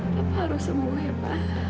papa harus sembuh ya pa